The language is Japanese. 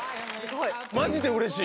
マジでうれしい！